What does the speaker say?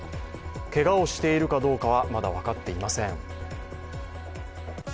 けがをしているかどうかはまだ分かっていません。